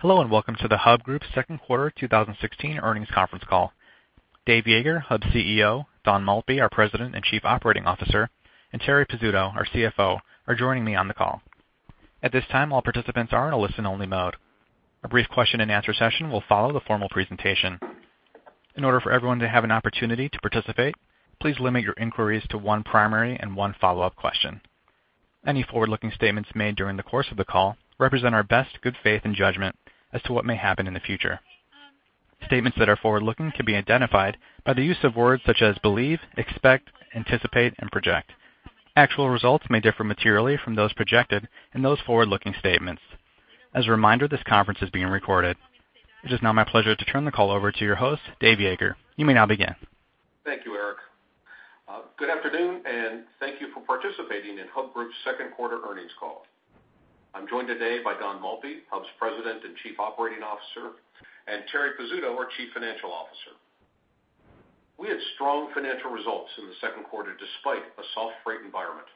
Hello, and welcome to the Hub Group's Second Quarter 2016 earnings conference call. Dave Yeager, Hub's CEO, Don Maltby, our President and Chief Operating Officer, and Terri Pizzuto, our CFO, are joining me on the call. At this time, all participants are in a listen-only mode. A brief question-and-answer session will follow the formal presentation. In order for everyone to have an opportunity to participate, please limit your inquiries to one primary and one follow-up question. Any forward-looking statements made during the course of the call represent our best good faith and judgment as to what may happen in the future. Statements that are forward-looking can be identified by the use of words such as believe, expect, anticipate, and project. Actual results may differ materially from those projected in those forward-looking statements. As a reminder, this conference is being recorded. It is now my pleasure to turn the call over to your host, Dave Yeager. You may now begin. Thank you, Eric. Good afternoon, and thank you for participating in Hub Group's second quarter earnings call. I'm joined today by Donald Maltby, Hub's President and Chief Operating Officer, and Terri Pizzuto, our Chief Financial Officer. We had strong financial results in the second quarter, despite a soft freight environment.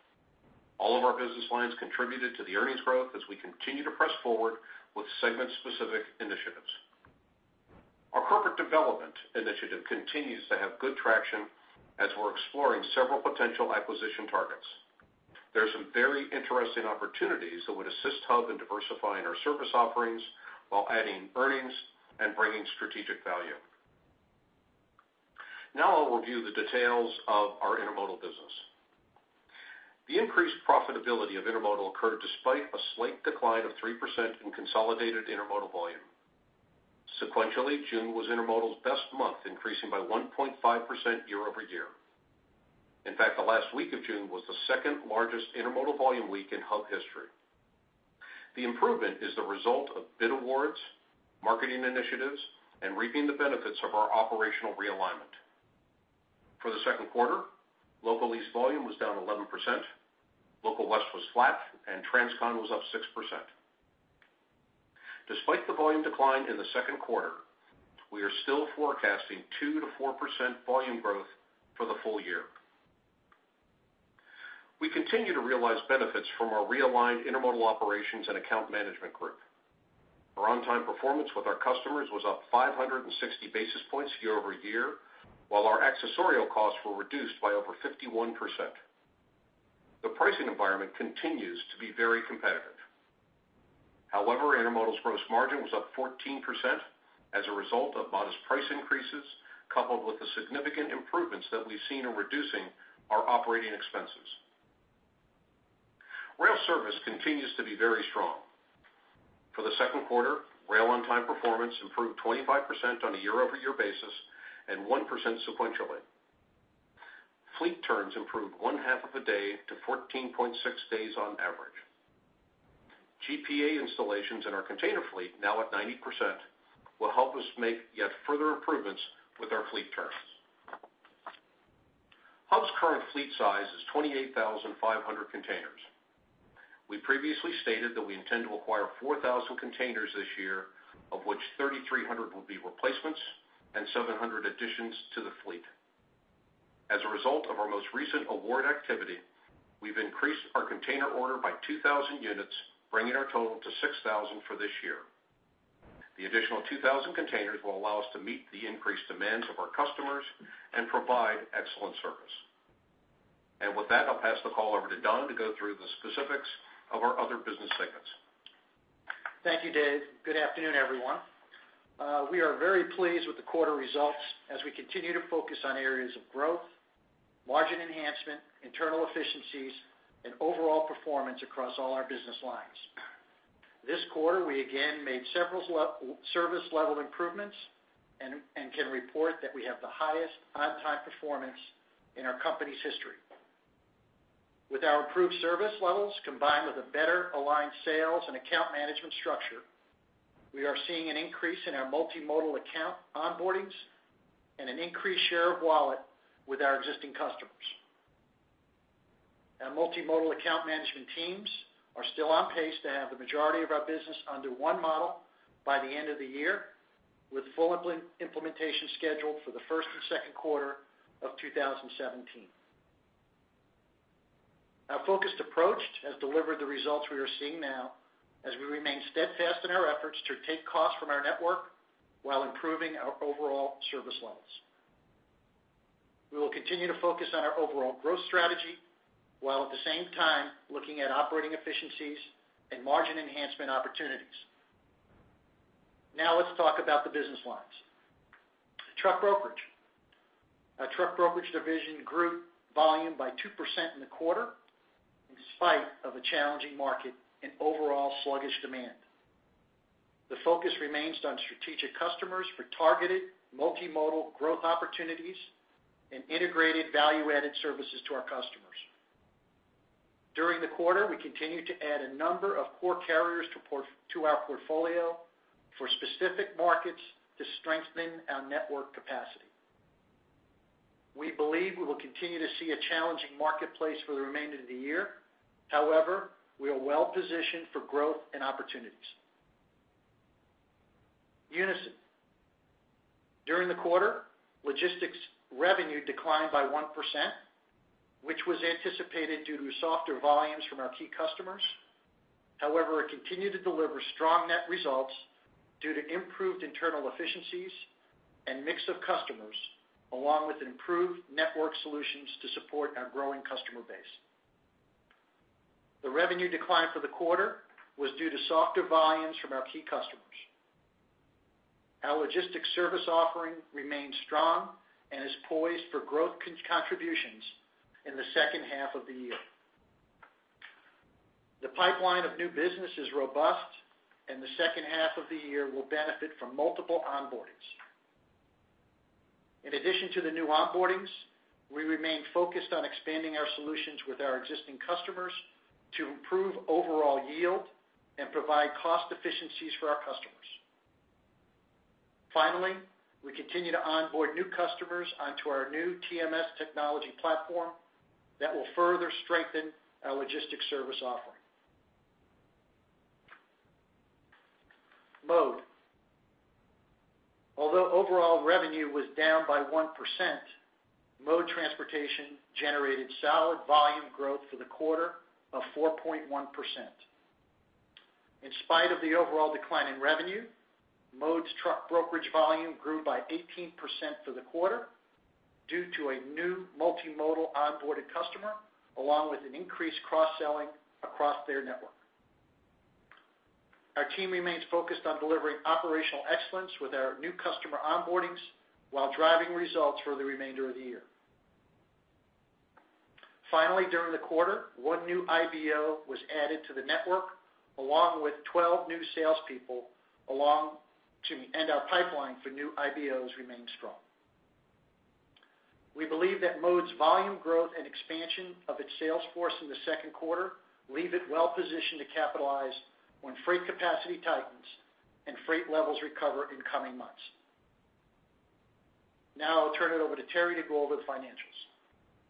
All of our business lines contributed to the earnings growth as we continue to press forward with segment-specific initiatives. Our corporate development initiative continues to have good traction as we're exploring several potential acquisition targets. There are some very interesting opportunities that would assist Hub in diversifying our service offerings while adding earnings and bringing strategic value. Now I'll review the details of our intermodal business. The increased profitability of intermodal occurred despite a slight decline of 3% in consolidated intermodal volume. Sequentially, June was intermodal's best month, increasing by 1.5% year-over-year. In fact, the last week of June was the second-largest intermodal volume week in Hub history. The improvement is the result of bid awards, marketing initiatives, and reaping the benefits of our operational realignment. For the second quarter, Local Lease volume was down 11%, Local West was flat, and Transcon was up 6%. Despite the volume decline in the second quarter, we are still forecasting 2%-4% volume growth for the full year. We continue to realize benefits from our realigned intermodal operations and account management group. Our on-time performance with our customers was up 560 basis points year-over-year, while our accessorial costs were reduced by over 51%. The pricing environment continues to be very competitive. However, intermodal's gross margin was up 14% as a result of modest price increases, coupled with the significant improvements that we've seen in reducing our operating expenses. Rail service continues to be very strong. For the second quarter, rail on-time performance improved 25% on a year-over-year basis and 1% sequentially. Fleet turns improved half a day to 14.6 days on average. GPA installations in our container fleet, now at 90%, will help us make yet further improvements with our fleet turns. Hub's current fleet size is 28,500 containers. We previously stated that we intend to acquire 4,000 containers this year, of which 3,300 will be replacements and 700 additions to the fleet. As a result of our most recent award activity, we've increased our container order by 2,000 units, bringing our total to 6,000 for this year. The additional 2,000 containers will allow us to meet the increased demands of our customers and provide excellent service. With that, I'll pass the call over to Don to go through the specifics of our other business segments. Thank you, Dave. Good afternoon, everyone. We are very pleased with the quarter results as we continue to focus on areas of growth, margin enhancement, internal efficiencies, and overall performance across all our business lines. This quarter, we again made several service level improvements and can report that we have the highest on-time performance in our company's history. With our improved service levels, combined with a better-aligned sales and account management structure, we are seeing an increase in our multimodal account onboardings and an increased share of wallet with our existing customers. Our multimodal account management teams are still on pace to have the majority of our business under one model by the end of the year, with full implementation scheduled for the first and second quarter of 2017. Our focused approach has delivered the results we are seeing now as we remain steadfast in our efforts to take costs from our network while improving our overall service levels. We will continue to focus on our overall growth strategy, while at the same time looking at operating efficiencies and margin enhancement opportunities. Now let's talk about the business lines. Truck brokerage. Our truck brokerage division grew volume by 2% in the quarter, in spite of a challenging market and overall sluggish demand. The focus remains on strategic customers for targeted multimodal growth opportunities and integrated value-added services to our customers. During the quarter, we continued to add a number of core carriers to our portfolio for specific markets to strengthen our network capacity. We believe we will continue to see a challenging marketplace for the remainder of the year. However, we are well positioned for growth and opportunities. Unyson. During the quarter, Logistics revenue declined by 1%, which was anticipated due to softer volumes from our key customers. However, it continued to deliver strong net results due to improved internal efficiencies and mix of customers, along with improved network solutions to support our growing customer base. The revenue decline for the quarter was due to softer volumes from our key customers. Our logistics service offering remains strong and is poised for growth contributions in the second half of the year. The pipeline of new business is robust, and the second half of the year will benefit from multiple onboardings. In addition to the new onboardings, we remain focused on expanding our solutions with our existing customers to improve overall yield and provide cost efficiencies for our customers. Finally, we continue to onboard new customers onto our new TMS technology platform that will further strengthen our logistics service offering. Mode. Although overall revenue was down by 1%, Mode Transportation generated solid volume growth for the quarter of 4.1%. In spite of the overall decline in revenue, Mode's truck brokerage volume grew by 18% for the quarter due to a new multimodal onboarded customer, along with an increased cross-selling across their network. Our team remains focused on delivering operational excellence with our new customer onboardings while driving results for the remainder of the year. Finally, during the quarter, 1 new IBO was added to the network, along with 12 new salespeople, and our pipeline for new IBOs remains strong. We believe that Mode's volume growth and expansion of its sales force in the second quarter leave it well positioned to capitalize when freight capacity tightens and freight levels recover in coming months. Now I'll turn it over to Terri to go over the financials.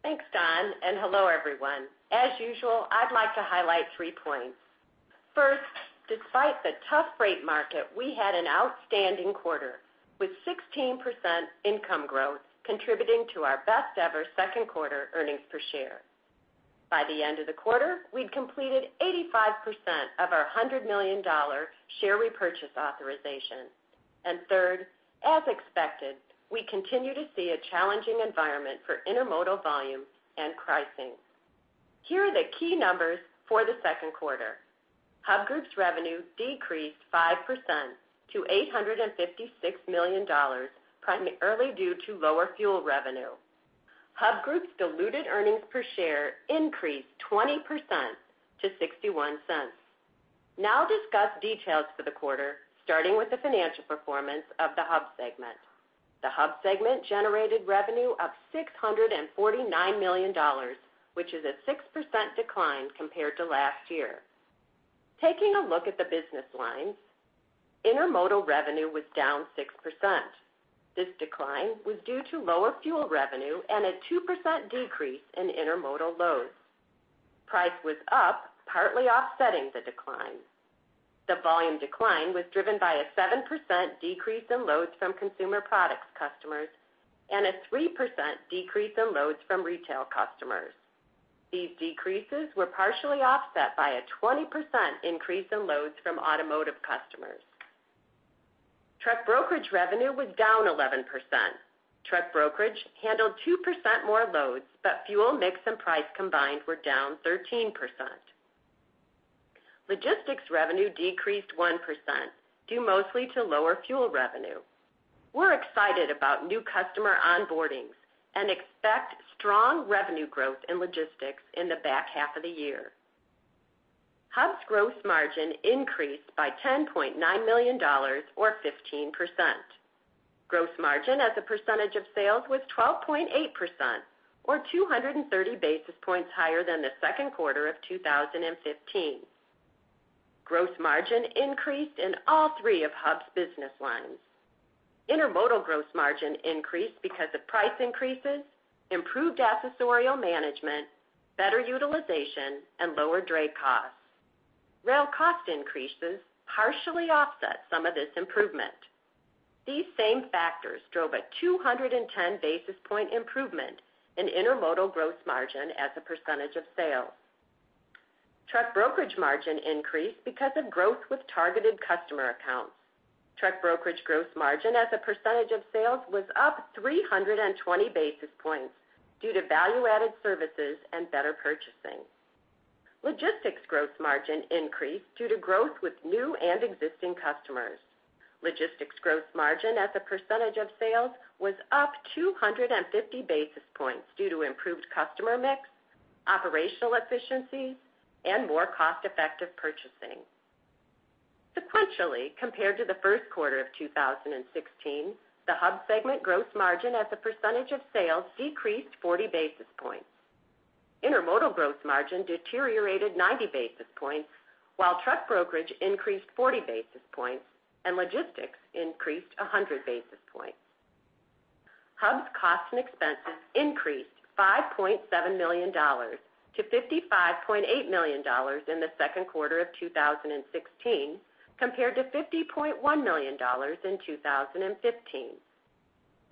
Thanks, Don, and hello, everyone. As usual, I'd like to highlight three points. First, despite the tough freight market, we had an outstanding quarter, with 16% income growth contributing to our best-ever second quarter earnings per share. By the end of the quarter, we'd completed 85% of our $100 million share repurchase authorization. And third, as expected, we continue to see a challenging environment for intermodal volume and pricing. Here are the key numbers for the second quarter. Hub Group's revenue decreased 5% to $856 million, primarily due to lower fuel revenue. Hub Group's diluted earnings per share increased 20% to $0.61. Now I'll discuss details for the quarter, starting with the financial performance of the Hub segment. The Hub segment generated revenue of $649 million, which is a 6% decline compared to last year. Taking a look at the business lines, Intermodal revenue was down 6%. This decline was due to lower fuel revenue and a 2% decrease in Intermodal loads. Price was up, partly offsetting the decline. The volume decline was driven by a 7% decrease in loads from consumer products customers and a 3% decrease in loads from retail customers. These decreases were partially offset by a 20% increase in loads from automotive customers. Truck Brokerage revenue was down 11%. Truck Brokerage handled 2% more loads, but fuel mix and price combined were down 13%. Logistics revenue decreased 1%, due mostly to lower fuel revenue. We're excited about new customer onboardings and expect strong revenue growth in Logistics in the back half of the year. Hub's gross margin increased by $10.9 million or 15%. Gross margin as a percentage of sales was 12.8%, or 230 basis points higher than the second quarter of 2015. Gross margin increased in all three of Hub's business lines. Intermodal gross margin increased because of price increases, improved accessorial management, better utilization, and lower dray costs. Rail cost increases partially offset some of this improvement. These same factors drove a 210 basis point improvement in intermodal gross margin as a percentage of sales. Truck brokerage margin increased because of growth with targeted customer accounts. Truck brokerage gross margin as a percentage of sales was up 320 basis points due to value-added services and better purchasing. Logistics gross margin increased due to growth with new and existing customers. Logistics gross margin as a percentage of sales was up 250 basis points due to improved customer mix, operational efficiencies, and more cost-effective purchasing. Sequentially, compared to the first quarter of 2016, the Hub segment gross margin as a percentage of sales decreased 40 basis points. Intermodal gross margin deteriorated 90 basis points, while truck brokerage increased 40 basis points and logistics increased 100 basis points. Hub's costs and expenses increased $5.7 million-$55.8 million in the second quarter of 2016, compared to $50.1 million in 2015.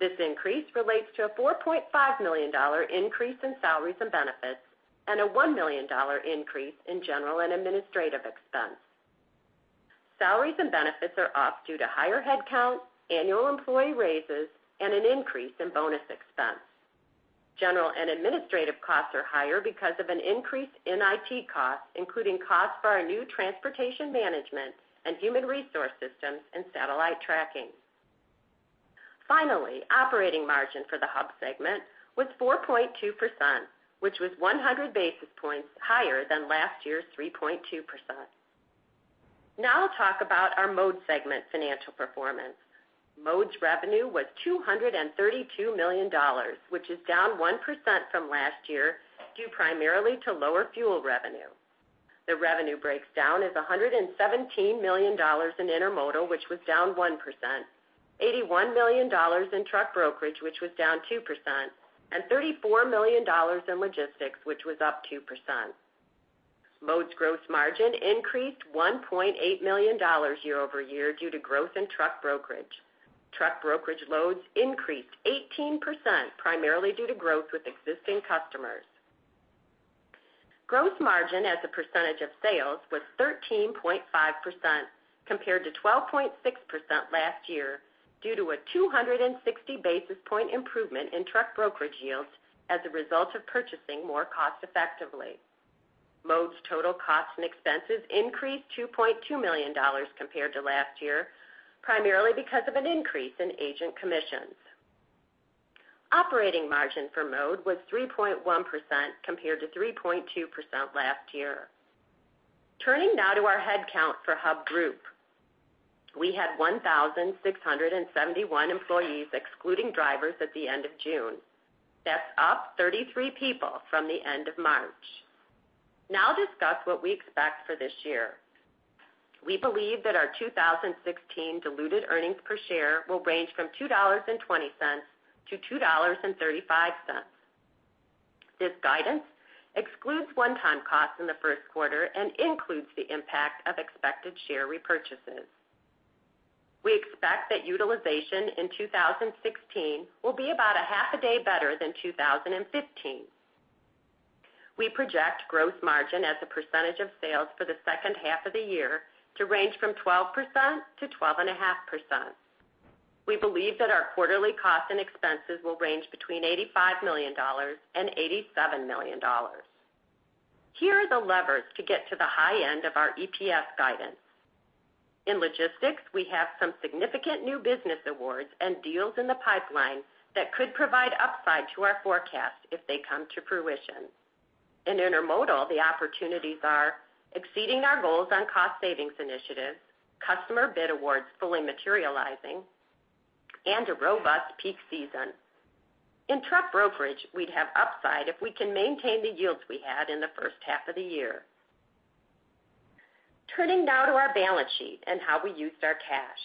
This increase relates to a $4.5 million increase in salaries and benefits, and a $1 million increase in general and administrative expense. Salaries and benefits are up due to higher headcount, annual employee raises, and an increase in bonus expense. General and administrative costs are higher because of an increase in IT costs, including costs for our new transportation management and human resource systems and satellite tracking. Finally, operating margin for the Hub segment was 4.2%, which was 100 basis points higher than last year's 3.2%. Now I'll talk about our Mode segment financial performance. Mode's revenue was $232 million, which is down 1% from last year, due primarily to lower fuel revenue. The revenue breaks down as $117 million in Intermodal, which was down 1%, $81 million in Truck Brokerage, which was down 2%, and $34 million in Logistics, which was up 2%. Mode's gross margin increased $1.8 million year-over-year due to growth in Truck Brokerage. Truck Brokerage loads increased 18%, primarily due to growth with existing customers. Gross margin as a percentage of sales was 13.5%, compared to 12.6% last year, due to a 260 basis point improvement in Truck Brokerage yields as a result of purchasing more cost effectively. Mode's total costs and expenses increased $2.2 million compared to last year, primarily because of an increase in agent commissions. Operating margin for Mode was 3.1%, compared to 3.2% last year. Turning now to our headcount for Hub Group. We had 1,671 employees, excluding drivers, at the end of June. That's up 33 people from the end of March. Now I'll discuss what we expect for this year. We believe that our 2016 diluted earnings per share will range from $2.20-$2.35. This guidance excludes one-time costs in the first quarter and includes the impact of expected share repurchases. We expect that utilization in 2016 will be about half a day better than 2015. We project gross margin as a percentage of sales for the second half of the year to range from 12%-12.5%. We believe that our quarterly costs and expenses will range between $85 million and $87 million. Here are the levers to get to the high end of our EPS guidance. In Logistics, we have some significant new business awards and deals in the pipeline that could provide upside to our forecast if they come to fruition. In Intermodal, the opportunities are exceeding our goals on cost savings initiatives, customer bid awards fully materializing, and a robust peak season. In Truck Brokerage, we'd have upside if we can maintain the yields we had in the first half of the year. Turning now to our balance sheet and how we used our cash.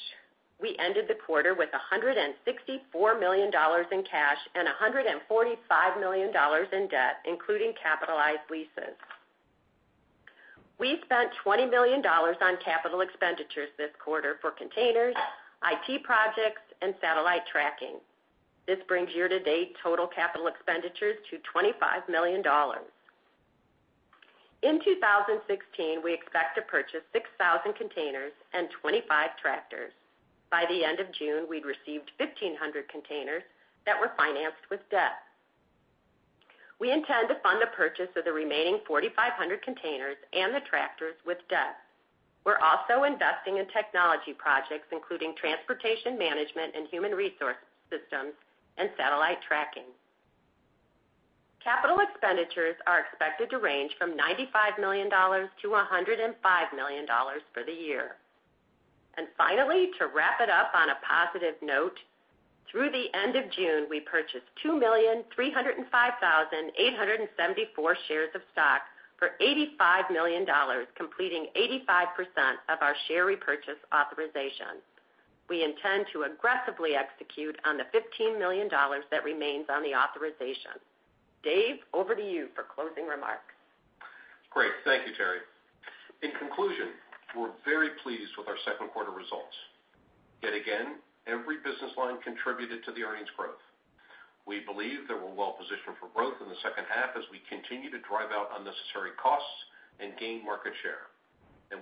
We ended the quarter with $164 million in cash and $145 million in debt, including capitalized leases. We spent $20 million on capital expenditures this quarter for containers, IT projects, and satellite tracking. This brings year-to-date total capital expenditures to $25 million. In 2016, we expect to purchase 6,000 containers and 25 tractors. By the end of June, we'd received 1,500 containers that were financed with debt. We intend to fund the purchase of the remaining 4,500 containers and the tractors with debt. We're also investing in technology projects, including transportation management and human resource systems and satellite tracking. Capital expenditures are expected to range from $95 million-$105 million for the year. And finally, to wrap it up on a positive note, through the end of June, we purchased 2,305,874 shares of stock for $85 million, completing 85% of our share repurchase authorization. We intend to aggressively execute on the $15 million that remains on the authorization. Dave, over to you for closing remarks. Great. Thank you, Terri. In conclusion, we're very pleased with our second quarter results. Yet again, every business line contributed to the earnings growth. We believe that we're well positioned for growth in the second half as we continue to drive out unnecessary costs and gain market share.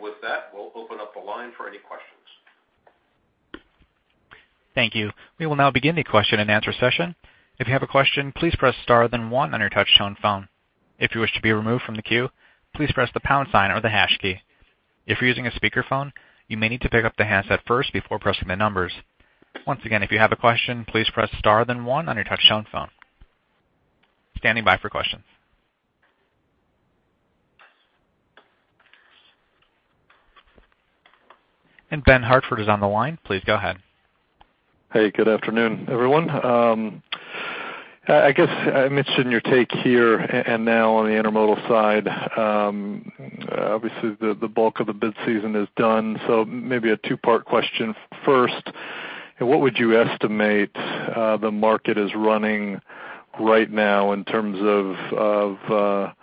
With that, we'll open up the line for any questions. Thank you. We will now begin the question-and-answer session. If you have a question, please press star, then one on your touchtone phone. If you wish to be removed from the queue, please press the pound sign or the hash key. If you're using a speakerphone, you may need to pick up the handset first before pressing the numbers. Once again, if you have a question, please press star, then one on your touchtone phone. Standing by for questions. Ben Hartford is on the line. Please go ahead. Hey, good afternoon, everyone. I guess I mentioned your take here and now on the intermodal side. Obviously, the bulk of the bid season is done, so maybe a two-part question. First, what would you estimate the market is running right now in terms of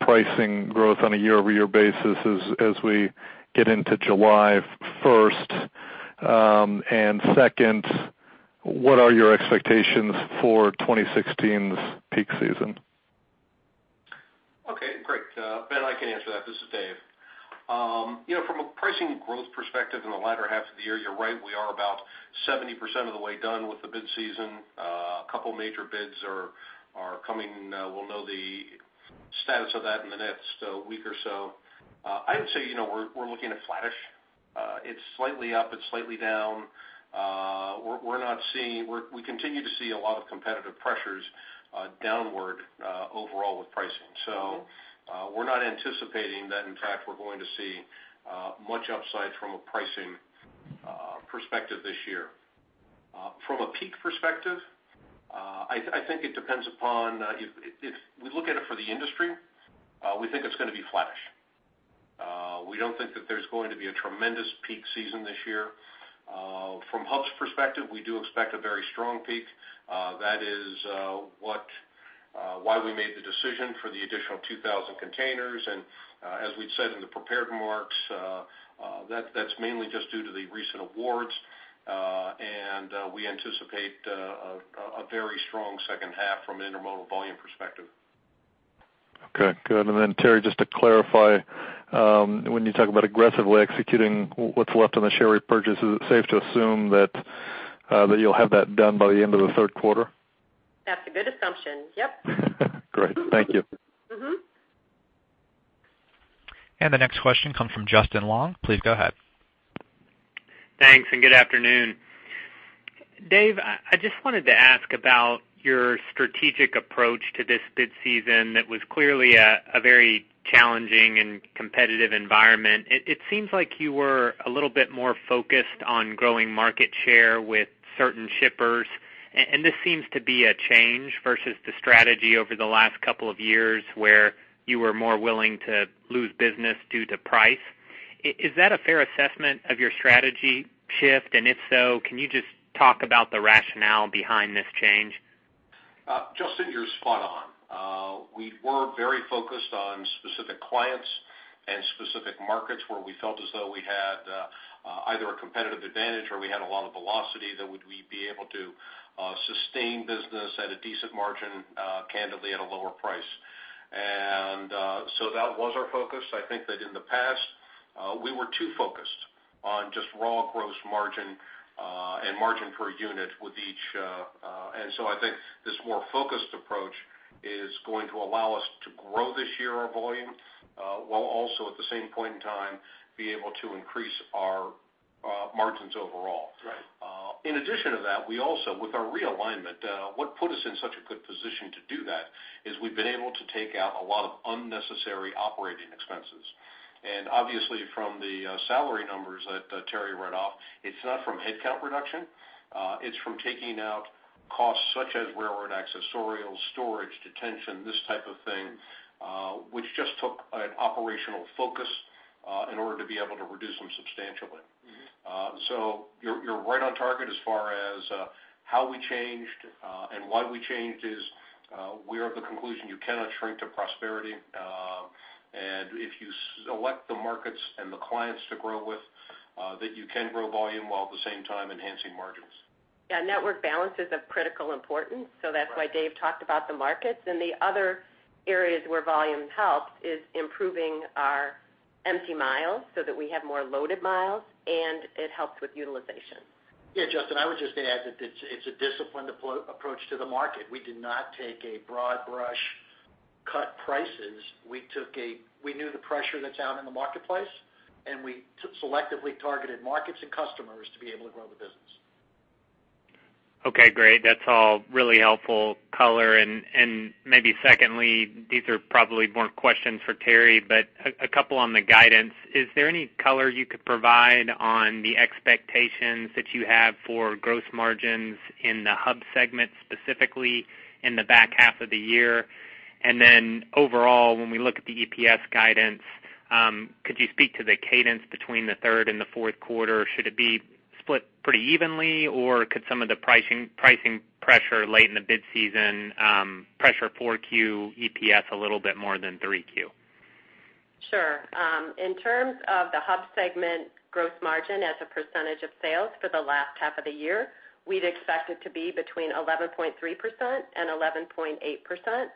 pricing growth on a year-over-year basis as we get into July first? And second, what are your expectations for 2016's peak season? Okay, great. Ben, I can answer that. This is Dave. You know, from a pricing growth perspective in the latter half of the year, you're right, we are about 70% of the way done with the bid season. A couple major bids are coming. We'll know the status of that in the next week or so. I would say, you know, we're looking at flattish. It's slightly up, it's slightly down. We're not seeing. We continue to see a lot of competitive pressures downward overall with pricing. So, we're not anticipating that, in fact, we're going to see much upside from a pricing perspective this year. From a peak perspective, I think it depends upon if we look at it for the industry, we think it's gonna be flattish. We don't think that there's going to be a tremendous peak season this year. From Hub's perspective, we do expect a very strong peak. That is why we made the decision for the additional 2,000 containers. And, as we said in the prepared remarks, that's mainly just due to the recent awards, and we anticipate a very strong second half from an intermodal volume perspective. Okay, good. Then, Terri, just to clarify, when you talk about aggressively executing what's left on the share repurchase, is it safe to assume that you'll have that done by the end of the third quarter? That's a good assumption. Yep. Great. Thank you. Mm-hmm. The next question comes from Justin Long. Please go ahead. Thanks, and good afternoon. Dave, I just wanted to ask about your strategic approach to this bid season. That was clearly a very challenging and competitive environment. It seems like you were a little bit more focused on growing market share with certain shippers, and this seems to be a change versus the strategy over the last couple of years, where you were more willing to lose business due to price. Is that a fair assessment of your strategy shift? And if so, can you just talk about the rationale behind this change? Justin, you're spot on. We were very focused on specific clients and specific markets where we felt as though we had either a competitive advantage or we had a lot of velocity that would we be able to sustain business at a decent margin, candidly, at a lower price. So that was our focus. I think that in the past, we were too focused on just raw gross margin and margin per unit with each. So I think this more focused approach is going to allow us to grow this year, our volume, while also, at the same point in time, be able to increase our margins overall. Right. In addition to that, we also, with our realignment, what put us in such a good position to do that is we've been able to take out a lot of unnecessary operating expenses. Obviously, from the salary numbers that Terri read off, it's not from headcount reduction, it's from taking out costs such as railroad accessorial, storage, detention, this type of thing, which just took an operational focus, in order to be able to reduce them substantially. Mm-hmm. You're right on target as far as how we changed and why we changed is we are of the conclusion you cannot shrink to prosperity. If you select the markets and the clients to grow with, that you can grow volume while at the same time enhancing margins. Yeah, network balance is of critical importance, so that's why Dave talked about the markets. And the other areas where volume helped is improving our empty miles, so that we have more loaded miles, and it helps with utilization. Yeah, Justin, I would just add that it's a disciplined approach to the market. We did not take a broad-brush cut prices. We took a, we knew the pressure that's out in the marketplace, and we selectively targeted markets and customers to be able to grow the business. Okay, great. That's all really helpful color. And maybe secondly, these are probably more questions for Terri, but a couple on the guidance. Is there any color you could provide on the expectations that you have for gross margins in the Hub segment, specifically in the back half of the year? And then overall, when we look at the EPS guidance, could you speak to the cadence between the third and the fourth quarter? Should it be split pretty evenly, or could some of the pricing pressure late in the bid season pressure four Q EPS a little bit more than three Q? Sure. In terms of the Hub segment gross margin as a percentage of sales for the last half of the year, we'd expect it to be between 11.3% and 11.8%.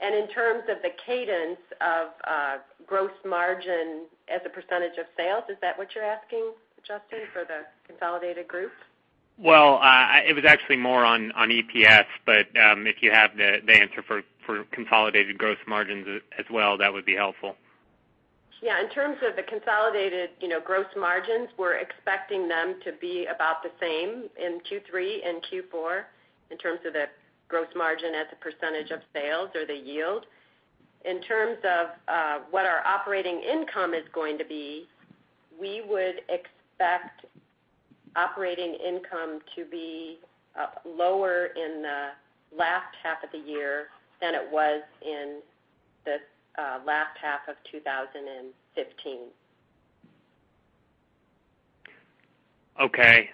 And in terms of the cadence of gross margin as a percentage of sales, is that what you're asking, Justin, for the consolidated group? Well, it was actually more on EPS, but if you have the answer for consolidated gross margins as well, that would be helpful. Yeah, in terms of the consolidated, you know, gross margins, we're expecting them to be about the same in Q3 and Q4, in terms of the gross margin as a percentage of sales or the yield. In terms of what our operating income is going to be, we would expect operating income to be lower in the last half of the year than it was in the last half of 2015. Okay.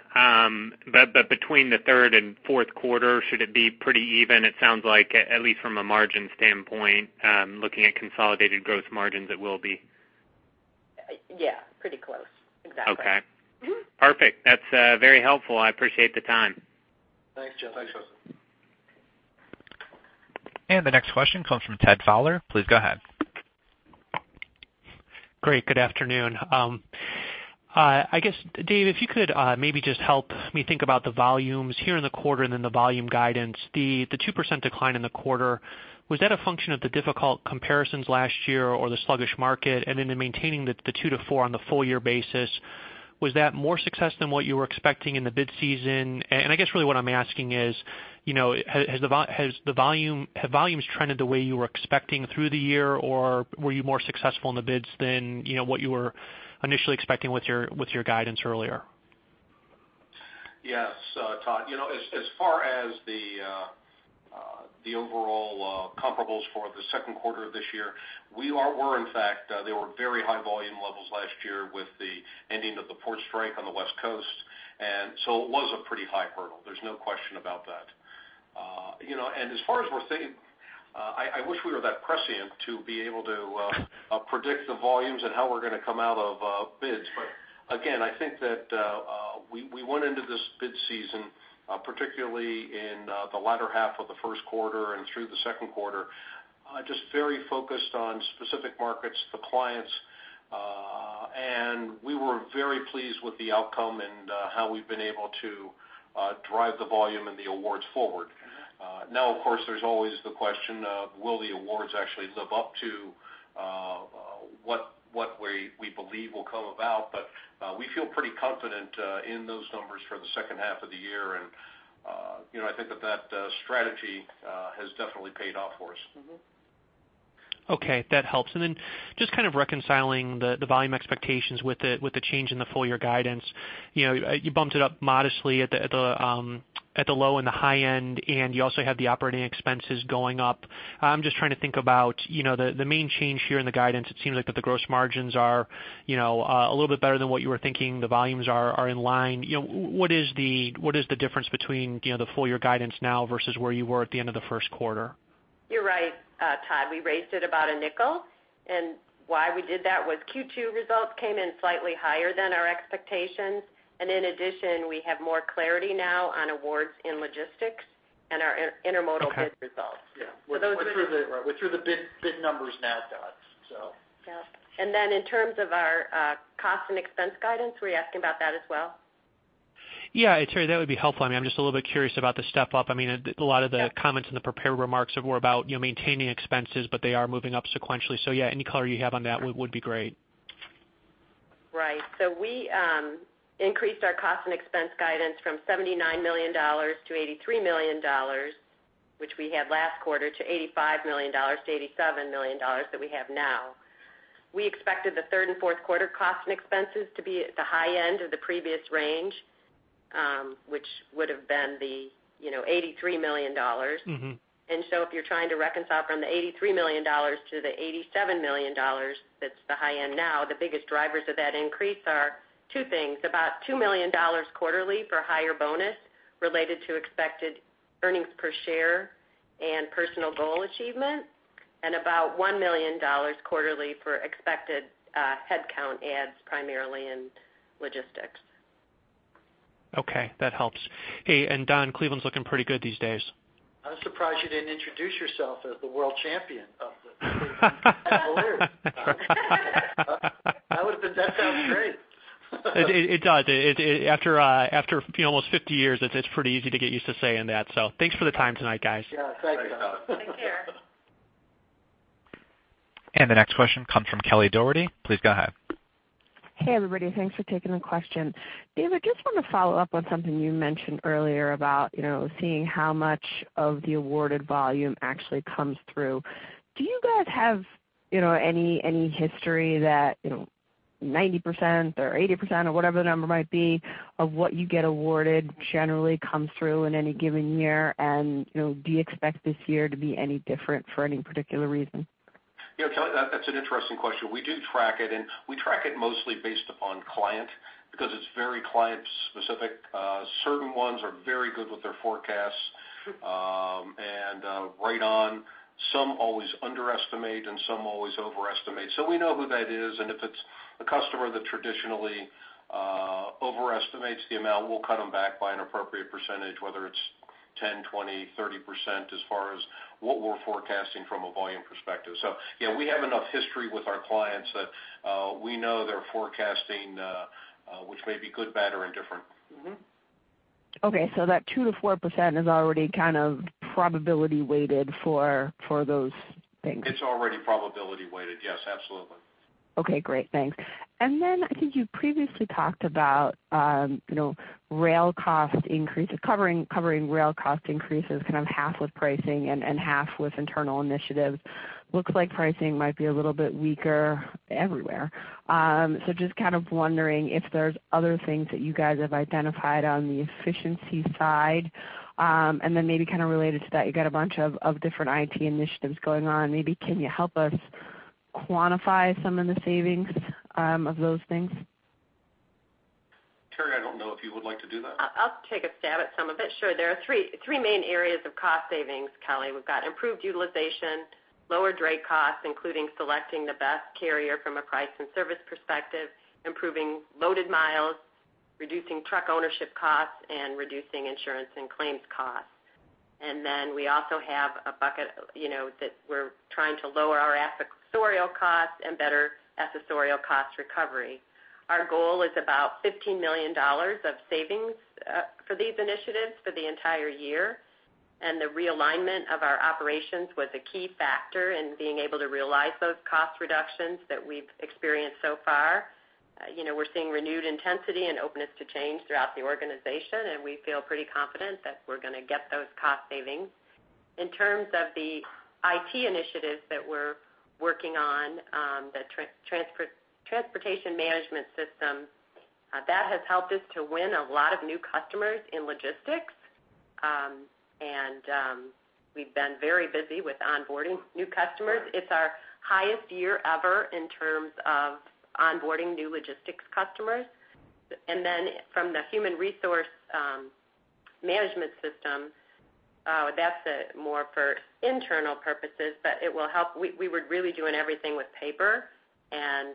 But between the third and fourth quarter, should it be pretty even? It sounds like at least from a margin standpoint, looking at consolidated gross margins, it will be. Yeah, pretty close. Exactly. Okay. Mm-hmm. Perfect. That's very helpful. I appreciate the time. Thanks, Justin. Thanks, folks. The next question comes from Todd Fowler. Please go ahead. Great. Good afternoon. I guess, Dave, if you could, maybe just help me think about the volumes here in the quarter and then the volume guidance. The 2% decline in the quarter, was that a function of the difficult comparisons last year or the sluggish market? And then in maintaining the 2%-4% on the full year basis, was that more success than what you were expecting in the bid season? And I guess really what I'm asking is, you know, have volumes trended the way you were expecting through the year, or were you more successful in the bids than, you know, what you were initially expecting with your, with your guidance earlier? Yes, Todd. You know, as far as the overall comparables for the second quarter of this year, we were in fact there were very high volume levels last year with the ending of the port strike on the West Coast. And so it was a pretty high hurdle. There's no question about that. You know, and as far as we're thinking, I wish we were that prescient to be able to predict the volumes and how we're going to come out of bids. But again, I think that we went into this bid season, particularly in the latter half of the first quarter and through the second quarter, just very focused on specific markets, the clients, and we were very pleased with the outcome and how we've been able to drive the volume and the awards forward. Now, of course, there's always the question of will the awards actually live up to what we believe will come about? But we feel pretty confident in those numbers for the second half of the year. And you know, I think that strategy has definitely paid off for us. Mm-hmm. Okay, that helps. And then just kind of reconciling the volume expectations with the change in the full year guidance. You know, you bumped it up modestly at the low and the high end, and you also had the operating expenses going up. I'm just trying to think about, you know, the main change here in the guidance. It seems like that the gross margins are, you know, a little bit better than what you were thinking. The volumes are in line. You know, what is the difference between, you know, the full year guidance now versus where you were at the end of the first quarter? You're right, Todd. We raised it about a nickel, and why we did that was Q2 results came in slightly higher than our expectations. In addition, we have more clarity now on awards in logistics and our intermodal. Okay Bid results. Yeah. So those are. We're through the bid numbers now, Todd, so. Yeah. And then in terms of our cost and expense guidance, were you asking about that as well? Yeah, Terri, that would be helpful. I mean, I'm just a little bit curious about the step up. I mean, a lot of the. Yeah Comments in the prepared remarks were about, you know, maintaining expenses, but they are moving up sequentially. So yeah, any color you have on that would be great. Right. So we increased our cost and expense guidance from $79 million-$83 million, which we had last quarter, to $85 million-$87 million that we have now. We expected the third and fourth quarter cost and expenses to be at the high end of the previous range, which would have been the, you know, $83 million. Mm-hmm. And so if you're trying to reconcile from the $83 million to the $87 million, that's the high end now, the biggest drivers of that increase are two things, about $2 million quarterly for higher bonus related to expected earnings per share and personal goal achievement, and about $1 million quarterly for expected headcount adds, primarily in logistics. Okay, that helps. Hey, and Don, Cleveland's looking pretty good these days. I'm surprised you didn't introduce yourself as the world champion of the Cleveland Cavaliers. That would have been. That sounds great. It does. After you know, almost 50 years, it's pretty easy to get used to saying that. So thanks for the time tonight, guys. Yeah. Thank you. Thanks, Todd. Take care. The next question comes from Kelly Dougherty. Please go ahead. Hey, everybody, thanks for taking the question. Dave, I just want to follow up on something you mentioned earlier about, you know, seeing how much of the awarded volume actually comes through. Do you guys have, you know, any, any history that, you know, 90% or 80% or whatever the number might be, of what you get awarded generally comes through in any given year? And, you know, do you expect this year to be any different for any particular reason? Yeah, Kelly, that's an interesting question. We do track it, and we track it mostly based upon client, because it's very client specific. Certain ones are very good with their forecasts, and right on. Some always underestimate, and some always overestimate. So we know who that is, and if it's a customer that traditionally overestimates the amount, we'll cut them back by an appropriate percentage, whether it's 10, 20, 30%, as far as what we're forecasting from a volume perspective. So yeah, we have enough history with our clients that we know they're forecasting, which may be good, bad, or indifferent. Mm-hmm. Okay, so that 2%-4% is already kind of probability weighted for, for those things? It's already probability weighted. Yes, absolutely. Okay, great, thanks. And then I think you previously talked about, you know, rail cost increases, covering rail cost increases, kind of half with pricing and half with internal initiatives. Looks like pricing might be a little bit weaker everywhere. So just kind of wondering if there's other things that you guys have identified on the efficiency side. And then maybe kind of related to that, you've got a bunch of different IT initiatives going on. Maybe can you help us quantify some of the savings of those things? Terri, I don't know if you would like to do that. I'll take a stab at some of it. Sure. There are three, three main areas of cost savings, Kelly. We've got improved utilization, lower dray costs, including selecting the best carrier from a price and service perspective, improving loaded miles, reducing truck ownership costs, and reducing insurance and claims costs. And then we also have a bucket, you know, that we're trying to lower our accessorial costs and better accessorial cost recovery. Our goal is about $15 million of savings for these initiatives for the entire year, and the realignment of our operations was a key factor in being able to realize those cost reductions that we've experienced so far. You know, we're seeing renewed intensity and openness to change throughout the organization, and we feel pretty confident that we're going to get those cost savings. In terms of the IT initiatives that we're working on, the transportation management system that has helped us to win a lot of new customers in logistics. And we've been very busy with onboarding new customers. It's our highest year ever in terms of onboarding new logistics customers. And then from the human resource management system, that's more for internal purposes, but it will help, we were really doing everything with paper, and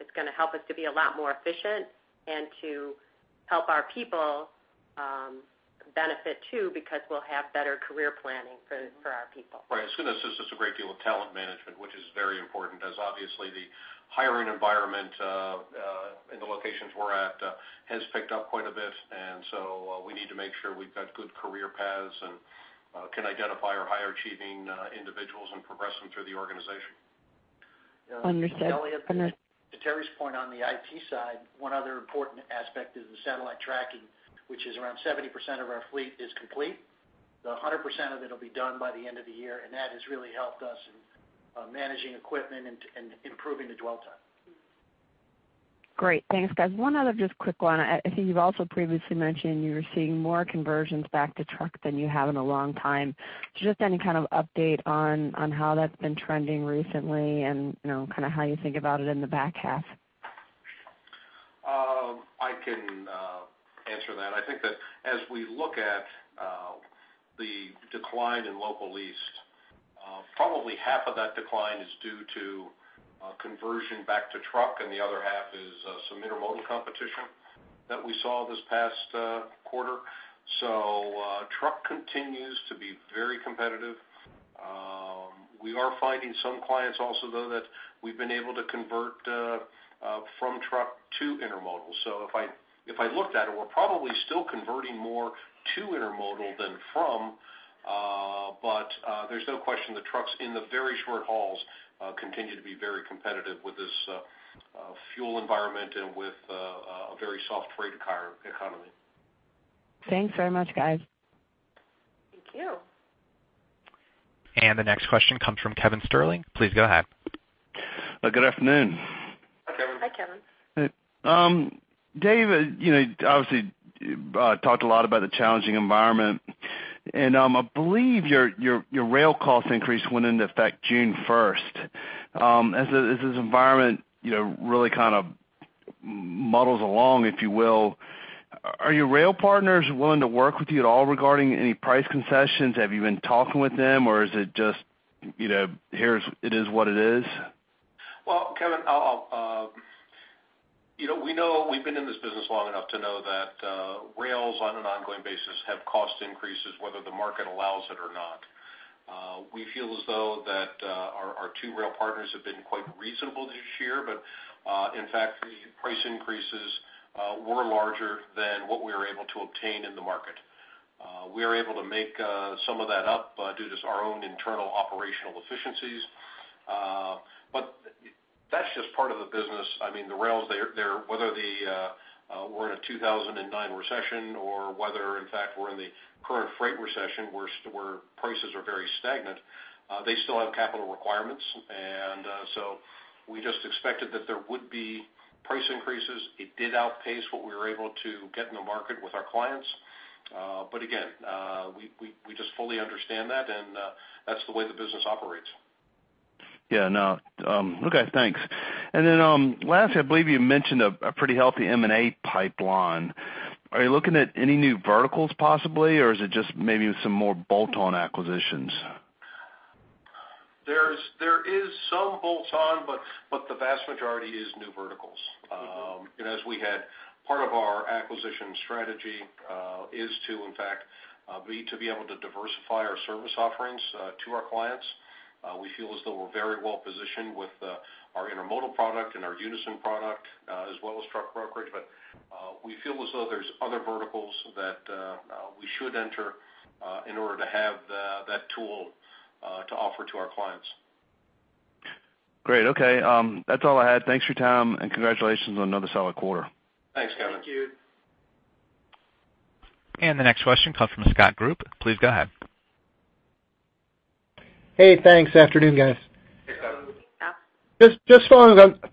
it's going to help us to be a lot more efficient and to help our people benefit too, because we'll have better career planning for our people. Right. As soon as this is a great deal of talent management, which is very important, as obviously the hiring environment in the locations we're at has picked up quite a bit, and so we need to make sure we've got good career paths and can identify our high-achieving individuals and progress them through the organization. Understood. Kelly, to Terri's point, on the IT side, one other important aspect is the satellite tracking, which is around 70% of our fleet is complete. The 100% of it will be done by the end of the year, and that has really helped us in managing equipment and, and improving the dwell time. Great. Thanks, guys. One other just quick one. I, I think you've also previously mentioned you were seeing more conversions back to truck than you have in a long time. Just any kind of update on, on how that's been trending recently and, you know, kind of how you think about it in the back half? I can answer that. I think that as we look at the decline in local lease, probably half of that decline is due to conversion back to truck, and the other half is some intermodal competition that we saw this past quarter. So, truck continues to be very competitive. We are finding some clients also, though, that we've been able to convert from truck to intermodal. So if I looked at it, we're probably still converting more to intermodal than from, but there's no question the trucks in the very short hauls continue to be very competitive with this fuel environment and with a very soft freight economy. Thanks very much, guys. Thank you. The next question comes from Kevin Sterling. Please go ahead. Good afternoon. Hi, Kevin. Hi, Kevin. Dave, you know, obviously talked a lot about the challenging environment, and I believe your rail cost increase went into effect June 1. As this environment, you know, really kind of muddles along, if you will, are your rail partners willing to work with you at all regarding any price concessions? Have you been talking with them, or is it just, you know, here it is what it is? Well, Kevin, I'll, you know, we know we've been in this business long enough to know that, rails on an ongoing basis have cost increases, whether the market allows it or not. We feel as though that, our, our two rail partners have been quite reasonable this year, but, in fact, the price increases, were larger than what we were able to obtain in the market. We are able to make, some of that up, due to our own internal operational efficiencies. But that's just part of the business. I mean, the rails, they're, they're whether the, we're in a 2009 recession or whether, in fact, we're in the current freight recession, where prices are very stagnant, they still have capital requirements. And, so we just expected that there would be price increases. It did outpace what we were able to get in the market with our clients. But again, we just fully understand that, and, that's the way the business operates. Yeah, no. Okay, thanks. And then, lastly, I believe you mentioned a pretty healthy M&A pipeline. Are you looking at any new verticals possibly, or is it just maybe some more bolt-on acquisitions? There is some bolt-on, but the vast majority is new verticals. And as part of our acquisition strategy, is to, in fact, be able to diversify our service offerings to our clients. We feel as though we're very well positioned with our intermodal product and our Unyson product, as well as truck brokerage. But we feel as though there's other verticals that we should enter, in order to have, tool to offer to our clients. Great. Okay, that's all I had. Thanks for your time, and congratulations on another solid quarter. Thanks, Kevin. Thank you. The next question comes from Scott Group. Please go ahead. Hey, thanks. Afternoon, guys. Hey, Scott. Hey, Scott. Just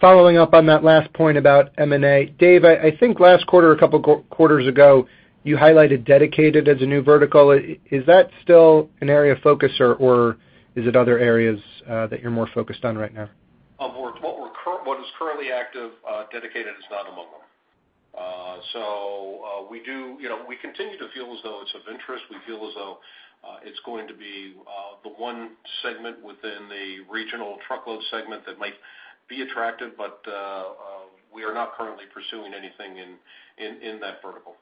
following up on that last point about M&A. Dave, I think last quarter, a couple quarters ago, you highlighted dedicated as a new vertical. Is that still an area of focus, or is it other areas that you're more focused on right now? Of course, what is currently active, dedicated is not among them. So, we do, you know, we continue to feel as though it's of interest. We feel as though it's going to be the one segment within the regional truckload segment that might be attractive, but we are not currently pursuing anything in that vertical.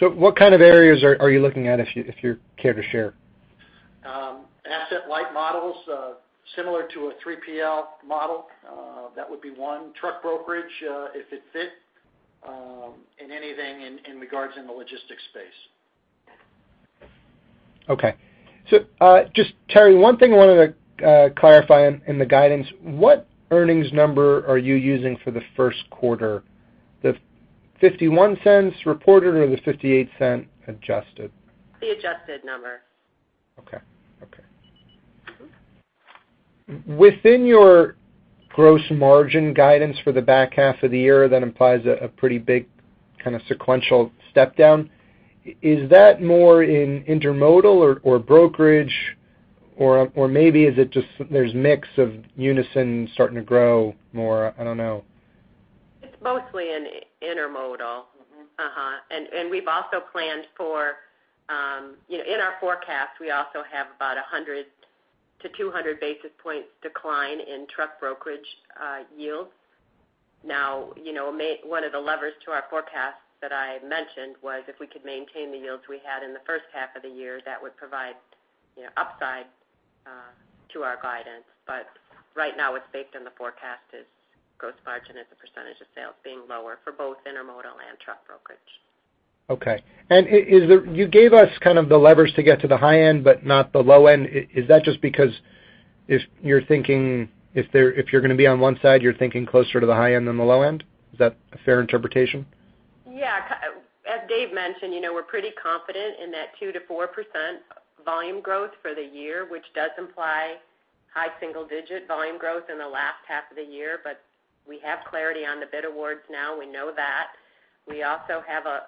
What kind of areas are you looking at if you care to share? Asset-light models, similar to a 3PL model, that would be one. Truck brokerage, if it fits, and anything in regards to the logistics space. Okay. So, just, Terri, one thing I wanted to clarify in the guidance. What earnings number are you using for the first quarter? The $0.51 reported or the $0.58 adjusted? The adjusted number. Okay. Okay. Within your gross margin guidance for the back half of the year, that implies a pretty big kind of sequential step down. Is that more in intermodal or brokerage, or maybe is it just the mix of Unyson starting to grow more? I don't know. It's mostly in intermodal. Mm-hmm. And we've also planned for. You know, in our forecast, we also have about 100-200 basis points decline in truck brokerage yields. Now, you know, one of the levers to our forecast that I had mentioned was if we could maintain the yields we had in the first half of the year, that would provide, you know, upside to our guidance. But right now, it's based on the forecast is gross margin as a percentage of sales being lower for both intermodal and truck brokerage. Okay. And you gave us kind of the levers to get to the high end, but not the low end. Is that just because if you're thinking, if you're gonna be on one side, you're thinking closer to the high end than the low end? Is that a fair interpretation? Yeah, as Dave mentioned, you know, we're pretty confident in that 2%-4% volume growth for the year, which does imply high single-digit volume growth in the last half of the year. But we have clarity on the bid awards now, we know that. We also have a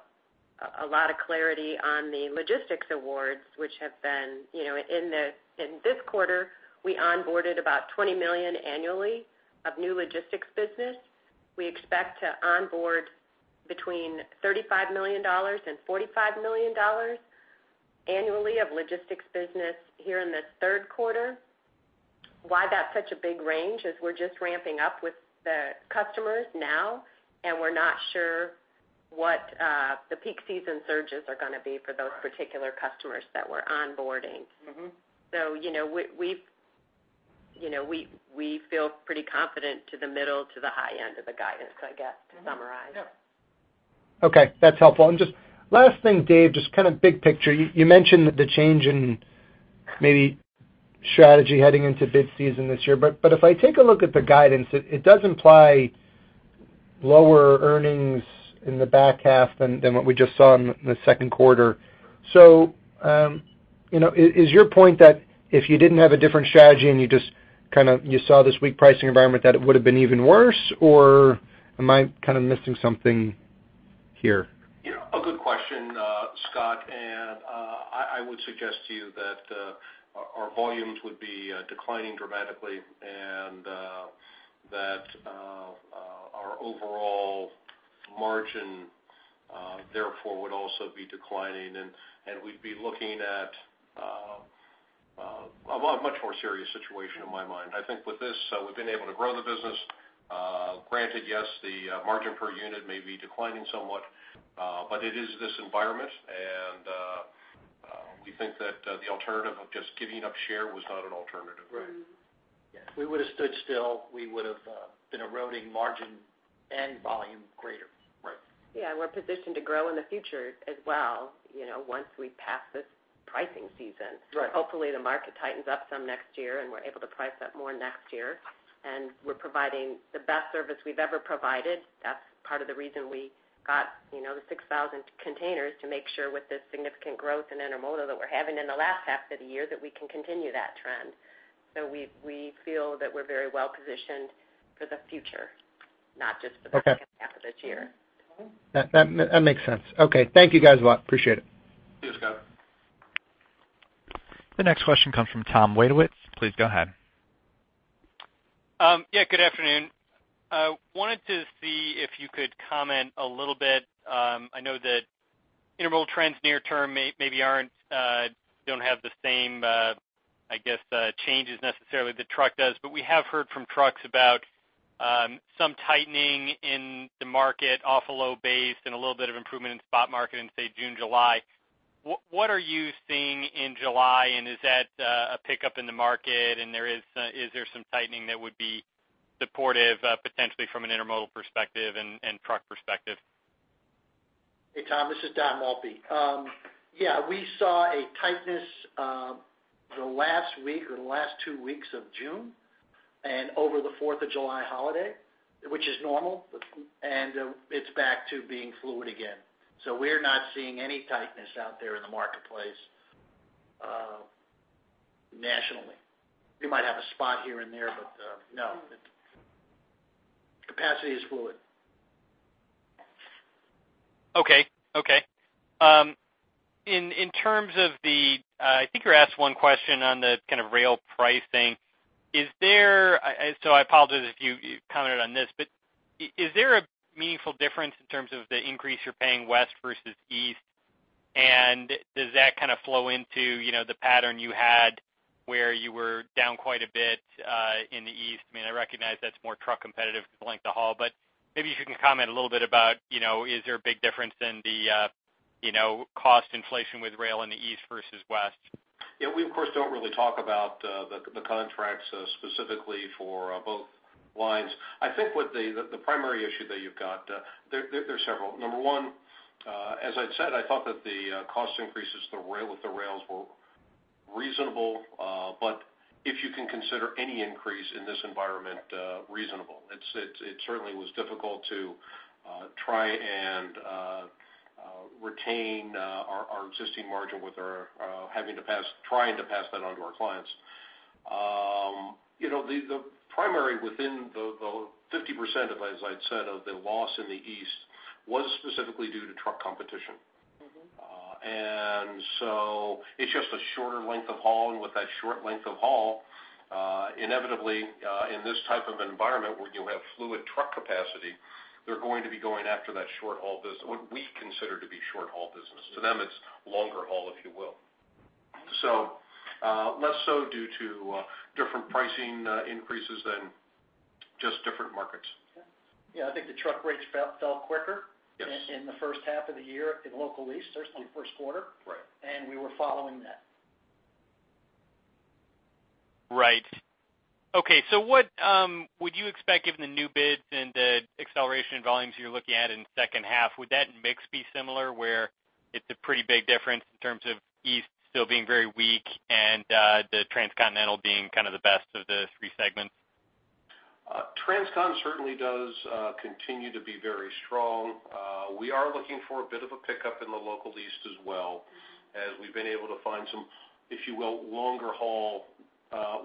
lot of clarity on the logistics awards, which have been, you know, in the, in this quarter, we onboarded about $20 million annually of new logistics business. We expect to onboard between $35 million and $45 million annually of logistics business here in the third quarter. Why that's such a big range is we're just ramping up with the customers now, and we're not sure what the peak season surges are gonna be for those particular customers that we're onboarding. Mm-hmm. So, you know, we feel pretty confident to the middle, to the high end of the guidance, I guess, to summarize. Mm-hmm. Yeah. Okay, that's helpful. Just last thing, Dave, just kind of big picture. You mentioned the change in maybe strategy heading into bid season this year, but if I take a look at the guidance, it does imply lower earnings in the back half than what we just saw in the second quarter. So, you know, is your point that if you didn't have a different strategy and you just kind of saw this weak pricing environment, that it would have been even worse? Or am I kind of missing something here? Yeah. A good question, Scott, and I would suggest to you that our volumes would be declining dramatically, and that our overall margin therefore would also be declining, and we'd be looking at a well, much more serious situation in my mind. I think with this we've been able to grow the business. Granted, yes, the margin per unit may be declining somewhat, but it is this environment, and we think that the alternative of just giving up share was not an alternative. Right. Yeah. We would have stood still. We would've been eroding margin and volume greater. Right. Yeah, and we're positioned to grow in the future as well, you know, once we pass this pricing season. Right. Hopefully, the market tightens up some next year, and we're able to price up more next year, and we're providing the best service we've ever provided. That's part of the reason we got, you know, the 6,000 containers to make sure with this significant growth in intermodal that we're having in the last half of the year, that we can continue that trend. So we, we feel that we're very well positioned for the future, not just for. Okay The second half of this year. Mm-hmm. That makes sense. Okay, thank you, guys, a lot. Appreciate it. Thanks, Scott. The next question comes from Tom Wadewitz. Please go ahead. Yeah, good afternoon. Wanted to see if you could comment a little bit. I know that intermodal trends near term maybe aren't don't have the same changes necessarily the truck does. But we have heard from trucks about some tightening in the market, off a low base and a little bit of improvement in spot market in, say, June, July. What are you seeing in July, and is that a pickup in the market, and there is, is there some tightening that would be supportive potentially from an intermodal perspective and truck perspective? Hey, Tom, this is Don Maltby. Yeah, we saw a tightness, the last week or the last two weeks of June and over the Fourth of July holiday, which is normal, but, and it's back to being fluid again. So we're not seeing any tightness out there in the marketplace, nationally. You might have a spot here and there, but, no, capacity is fluid. Okay. Okay. In terms of the, I think you were asked one question on the kind of rail pricing. Is there, so I apologize if you, you commented on this, but is there a meaningful difference in terms of the increase you're paying west versus east? And does that kind of flow into, you know, the pattern you had where you were down quite a bit, in the east? I mean, I recognize that's more truck competitive length of haul, but maybe if you can comment a little bit about, you know, is there a big difference in the, you know, cost inflation with rail in the east versus west? Yeah, we, of course, don't really talk about the contracts specifically for both lines. I think what the primary issue that you've got there. There are several. Number one, as I'd said, I thought that the cost increases with the rails were reasonable, but if you can consider any increase in this environment reasonable, it certainly was difficult to try and retain our existing margin with our having to try to pass that on to our clients. You know, the primary within the 50% of, as I'd said, of the loss in the east was specifically due to truck competition. Mm-hmm. And so it's just a shorter length of haul, and with that short length of haul, inevitably, in this type of environment where you have fluid truck capacity, they're going to be going after that short haul business, what we consider to be short haul business. To them, it's longer haul, if you will. So, less so due to different pricing increases than just different markets. Yeah, I think the truck rates fell fell quicker. Yes In the first half of the year in Local Lease, certainly first quarter. Right. We were following that. Right. Okay, so what would you expect, given the new bids and the acceleration in volumes you're looking at in the second half, would that mix be similar, where it's a pretty big difference in terms of east still being very weak and the transcontinental being kind of the best of the three segments? Transcon certainly does continue to be very strong. We are looking for a bit of a pickup in the Local Lease as well, as we've been able to find some, if you will, longer haul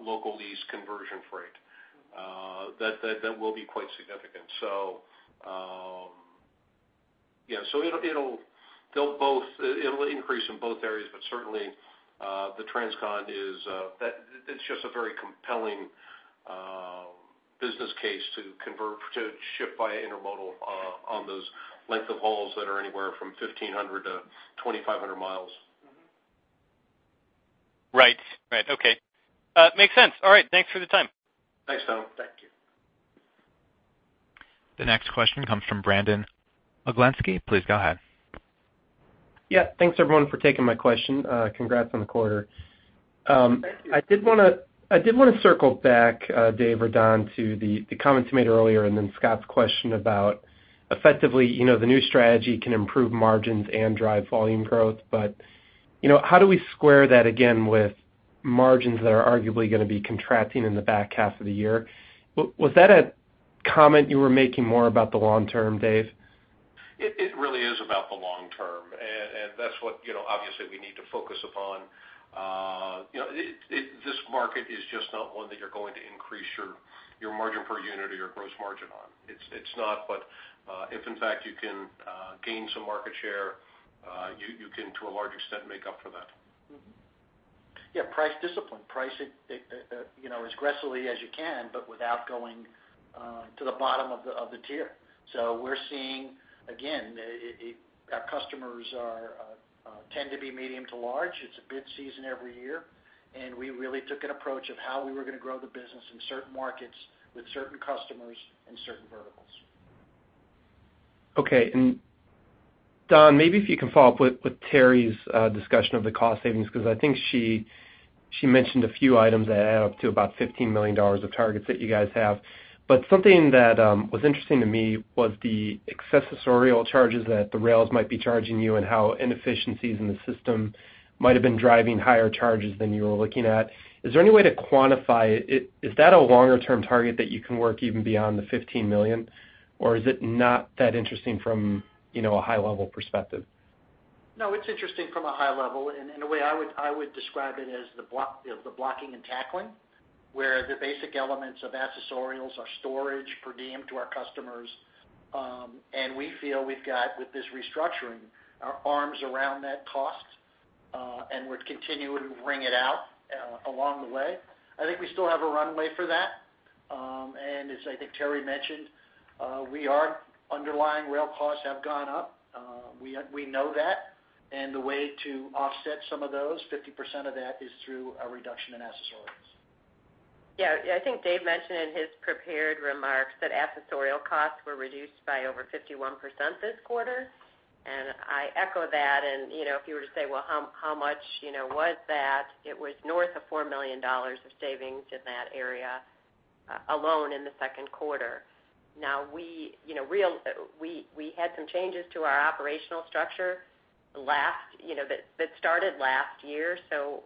Local Lease conversion freight that will be quite significant. So, it'll increase in both areas, but certainly the Transcon is—it's just a very compelling business case to convert, to ship by intermodal, on those lengths of haul that are anywhere from 1,500-2,500 mi. Mm-hmm. Right. Right. Okay. Makes sense. All right, thanks for the time. Thanks, Tom. Thank you. The next question comes from Brandon Oglenski. Please go ahead. Yeah, thanks, everyone, for taking my question. Congrats on the quarter. I did want to, I did want to circle back, Dave or Don, to the, the comments you made earlier, and then Scott's question about effectively, you know, the new strategy can improve margins and drive volume growth. But, you know, how do we square that again with margins that are arguably going to be contracting in the back half of the year? Was that a comment you were making more about the long term, Dave? It really is about the long term, and that's what, you know, obviously, we need to focus upon. You know, this market is just not one that you're going to increase your margin per unit or your gross margin on. It's not, but if in fact, you can gain some market share, you can, to a large extent, make up for that. Mm-hmm. Yeah, price discipline. Price it, you know, as aggressively as you can, but without going to the bottom of the tier. So we're seeing, again, our customers tend to be medium to large. It's a bid season every year, and we really took an approach of how we were going to grow the business in certain markets with certain customers and certain verticals. Okay. And Don, maybe if you can follow up with, with Terri's discussion of the cost savings, because I think she, she mentioned a few items that add up to about $15 million of targets that you guys have. But something that was interesting to me was the accessorial charges that the rails might be charging you and how inefficiencies in the system might have been driving higher charges than you were looking at. Is there any way to quantify it? Is that a longer-term target that you can work even beyond the $15 million, or is it not that interesting from, you know, a high-level perspective? No, it's interesting from a high level. In a way, I would describe it as the blocking and tackling, where the basic elements of accessorials are storage per diem to our customers. And we feel we've got, with this restructuring, our arms around that cost, and we're continuing to wring it out along the way. I think we still have a runway for that. And as I think Terri mentioned, we are underlying rail costs have gone up. We know that, and the way to offset some of those, 50% of that, is through a reduction in accessorials. Yeah, I think Dave mentioned in his prepared remarks that accessorial costs were reduced by over 51% this quarter, and I echo that. And, you know, if you were to say, well, how much, you know, was that? It was north of $4 million of savings in that area alone in the second quarter. Now, we, you know, we had some changes to our operational structure last year, so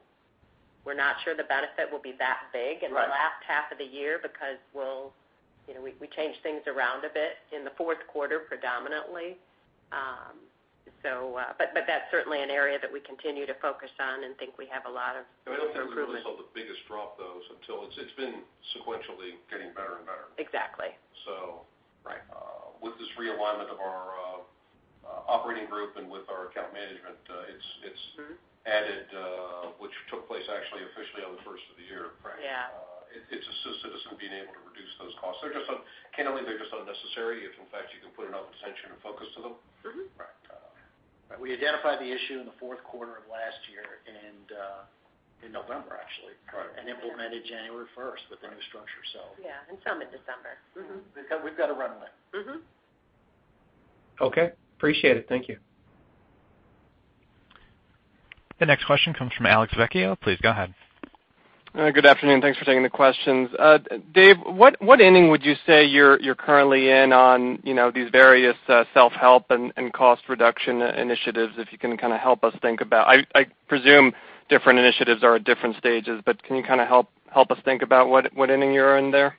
we're not sure the benefit will be that big. Right. in the last half of the year because we'll, you know, we changed things around a bit in the fourth quarter, predominantly. But that's certainly an area that we continue to focus on and think we have a lot of improvement. I don't think we really saw the biggest drop, though, until it's been sequentially getting better and better. Exactly. So. Right. with this realignment of our operating group and with our account management, it's Mm-hmm Added, which took place actually officially on the first of the year. Right. Yeah. It's assisted us in being able to reduce those costs. They're just, candidly, they're just unnecessary if, in fact, you can put attention and focus to them. Mm-hmm. Right. We identified the issue in the fourth quarter of last year, and, in November, actually. Right. and implemented January 1st with the new structure, so. Yeah, and some in December. Mm-hmm, because we've got a runway. Mm-hmm. Okay, appreciate it. Thank you. The next question comes from Alex Vecchio. Please go ahead. Good afternoon. Thanks for taking the questions. Dave, what, what inning would you say you're, you're currently in on, you know, these various self-help and cost reduction initiatives, if you can kind of help us think about? I presume different initiatives are at different stages, but can you kind of help, help us think about what, what inning you're in there?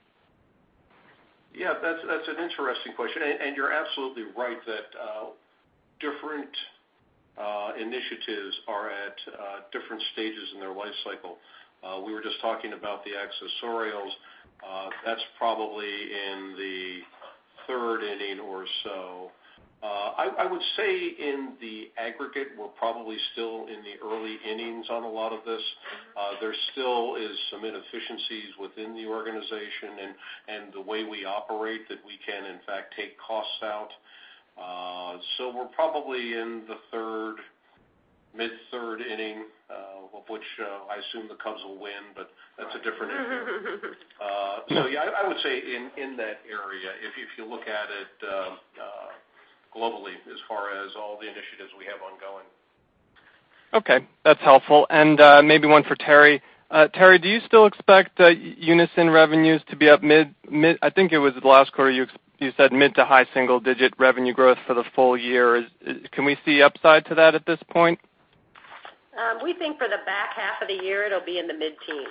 Yeah, that's, that's an interesting question, and, and you're absolutely right that different initiatives are at different stages in their life cycle. We were just talking about the accessorials. That's probably in the third inning or so. I would say in the aggregate, we're probably still in the early innings on a lot of this. There still is some inefficiencies within the organization and the way we operate, that we can, in fact, take costs out. So we're probably in the third, mid-third inning, of which I assume the Cubs will win, but that's a different issue. So yeah, I would say in that area, if you look at it globally, as far as all the initiatives we have ongoing. Okay, that's helpful. Maybe one for Terri. Terri, do you still expect Unyson revenues to be up mid to high single digit revenue growth for the full year? Can we see upside to that at this point? We think for the back half of the year, it'll be in the mid-teens.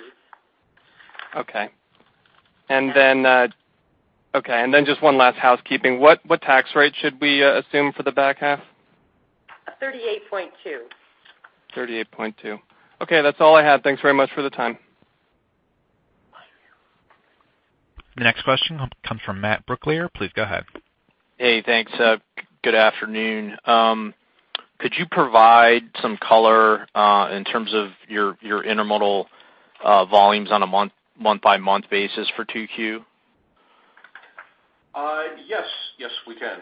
Okay. And then just one last housekeeping. What tax rate should we assume for the back half? 38.2. 38.2. Okay, that's all I have. Thanks very much for the time. The next question comes from Matt Brooklier. Please go ahead. Hey, thanks. Good afternoon. Could you provide some color in terms of your intermodal volumes on a month-by-month basis for 2Q? Yes. Yes, we can.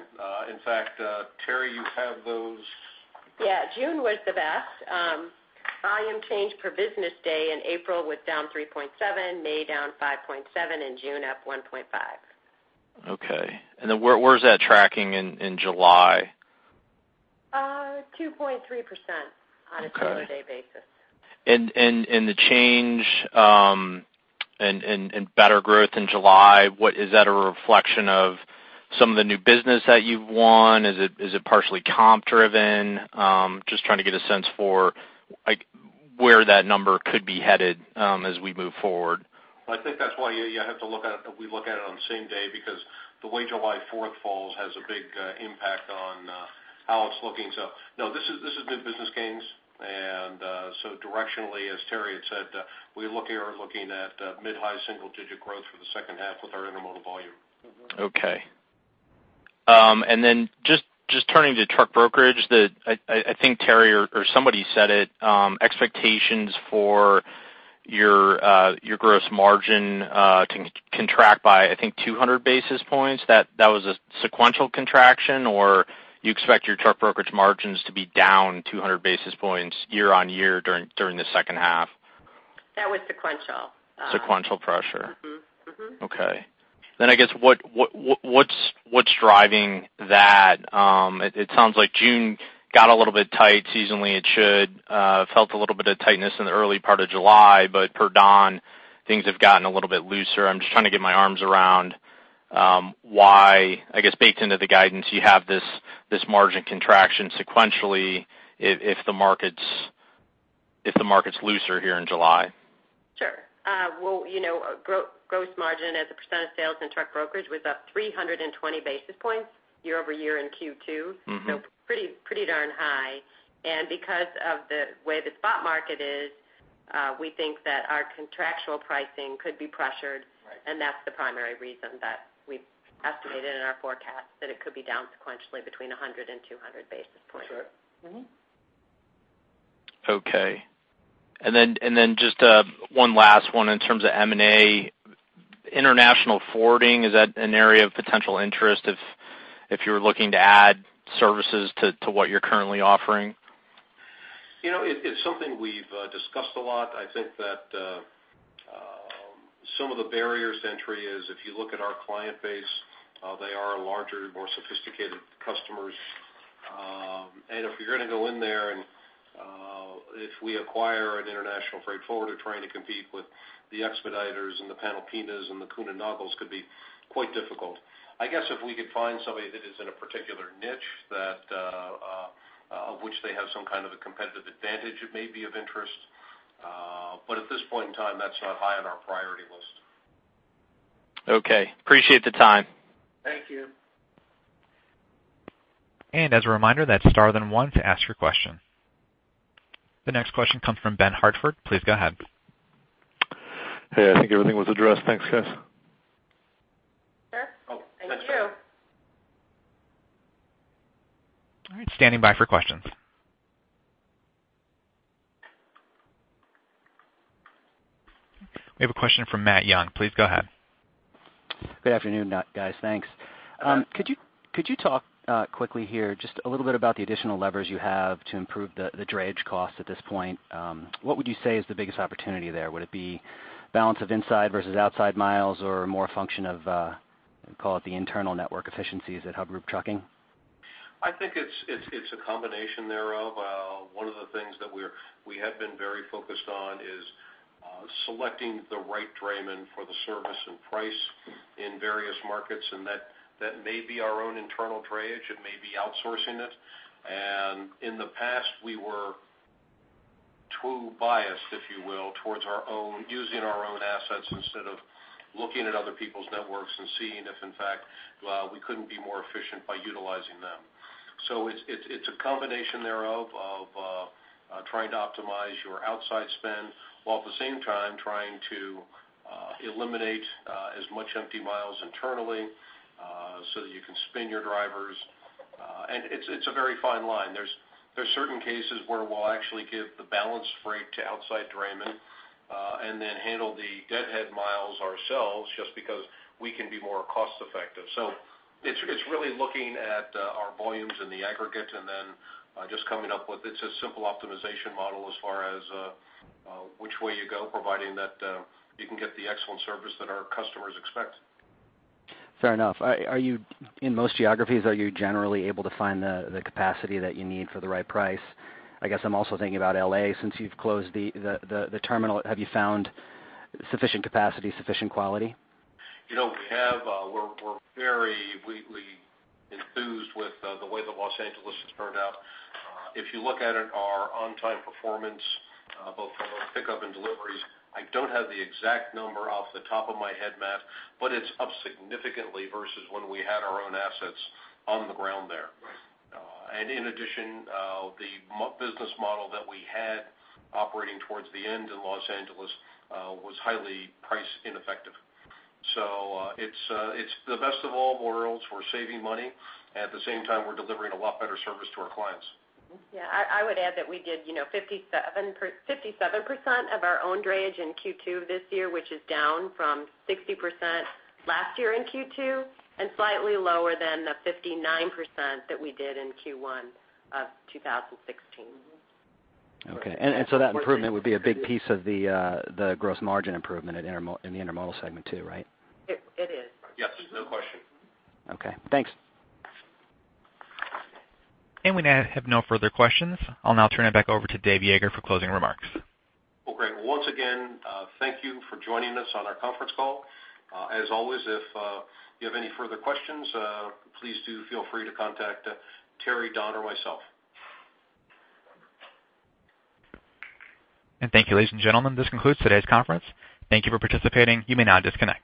In fact, Terri, you have those? Yeah. June was the best. Volume change per business day in April was down 3.7, May down 5.7, and June up 1.5. Okay. And then where, where's that tracking in, in July? 2.3% on a same-day basis. Okay. The change and better growth in July, is that a reflection of some of the new business that you've won? Is it, is it partially comp driven? Just trying to get a sense for, like, where that number could be headed, as we move forward. I think that's why you, you have to look at it, we look at it on the same day, because the way July fourth falls has a big impact on how it's looking. So no, this is, this is new business gains, and so directionally, as Terri had said, we're looking, we're looking at mid-high single digit growth for the second half with our intermodal volume. Okay. And then just turning to truck brokerage, I think Terri or somebody said it, expectations for your gross margin contraction by, I think, 200 basis points. That was a sequential contraction, or you expect your truck brokerage margins to be down 200 basis points year-over-year during the second half? That was sequential. Sequential pressure. Mm-hmm. Mm-hmm. Okay. Then I guess, what's driving that? It sounds like June got a little bit tight. Seasonally, it should. Felt a little bit of tightness in the early part of July, but per Don, things have gotten a little bit looser. I'm just trying to get my arms around why, I guess, baked into the guidance, you have this margin contraction sequentially, if the market's looser here in July. Sure. Well, you know, gross margin as a percent of sales and truck brokerage was up 320 basis points year-over-year in Q2. Mm-hmm. Pretty, pretty darn high. Because of the way the spot market is, we think that our contractual pricing could be pressured. Right. That's the primary reason that we've estimated in our forecast that it could be down sequentially between 100 and 200 basis points. That's right. Mm-hmm. Okay. And then just one last one in terms of M&A. International forwarding, is that an area of potential interest if you're looking to add services to what you're currently offering? You know, it's something we've discussed a lot. I think that some of the barriers to entry is, if you look at our client base, they are larger, more sophisticated customers. If we acquire an international freight forwarder, trying to compete with the Expeditors and the Panalpinas and the Kuehne + Nagels could be quite difficult. I guess if we could find somebody that is in a particular niche that of which they have some kind of a competitive advantage, it may be of interest, but at this point in time, that's not high on our priority list. Okay. Appreciate the time. Thank you. As a reminder, that's star then one to ask your question. The next question comes from Ben Hartford. Please go ahead. Hey, I think everything was addressed. Thanks, guys. Sure. Thank you. All right, standing by for questions. We have a question from Matt Young. Please go ahead. Good afternoon, guys. Thanks. Could you talk quickly here, just a little bit about the additional levers you have to improve the drayage cost at this point? What would you say is the biggest opportunity there? Would it be balance of inside versus outside miles, or more a function of call it the internal network efficiencies at Hub Group Trucking? I think it's a combination thereof. One of the things that we have been very focused on is selecting the right drayman for the service and price in various markets, and that may be our own internal drayage, it may be outsourcing it. And in the past, we were too biased, if you will, towards our own, using our own assets instead of looking at other people's networks and seeing if, in fact, we couldn't be more efficient by utilizing them. So it's a combination thereof, of trying to optimize your outside spend, while at the same time trying to eliminate as much empty miles internally, so that you can spin your drivers. And it's a very fine line. There's certain cases where we'll actually give the balanced freight to outside drayman, and then handle the deadhead miles ourselves, just because we can be more cost-effective. So it's really looking at our volumes in the aggregate, and then just coming up with it. It's a simple optimization model as far as which way you go, providing that you can get the excellent service that our customers expect. Fair enough. Are you, in most geographies, are you generally able to find the capacity that you need for the right price? I guess I'm also thinking about L.A. Since you've closed the terminal, have you found sufficient capacity, sufficient quality? You know, we're very enthused with the way that Los Angeles has turned out. If you look at it, our on-time performance both for pickup and deliveries, I don't have the exact number off the top of my head, Matt, but it's up significantly versus when we had our own assets on the ground there. And in addition, the Mode business model that we had operating towards the end in Los Angeles was highly price ineffective. So, it's the best of all worlds. We're saving money. At the same time, we're delivering a lot better service to our clients. Yeah. I would add that we did, you know, 57% of our own drayage in Q2 this year, which is down from 60% last year in Q2, and slightly lower than the 59% that we did in Q1 of 2016. Okay. So that improvement would be a big piece of the gross margin improvement in the Intermodal segment, too, right? It is. Yes, there's no question. Okay. Thanks. We now have no further questions. I'll now turn it back over to Dave Yeager for closing remarks. Well, great. Well, once again, thank you for joining us on our conference call. As always, if you have any further questions, please do feel free to contact Terri, Don, or myself. Thank you, ladies and gentlemen, this concludes today's conference. Thank you for participating. You may now disconnect.